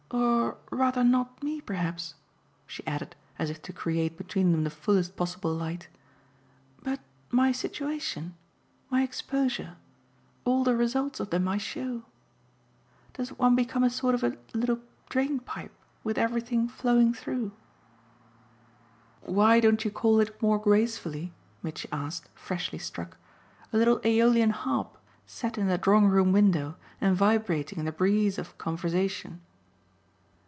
Or rather not me perhaps," she added as if to create between them the fullest possible light; "but my situation, my exposure all the results of them I show. Doesn't one become a sort of a little drain pipe with everything flowing through?" "Why don't you call it more gracefully," Mitchy asked, freshly struck, "a little aeolian harp set in the drawing room window and vibrating in the breeze of conversation?"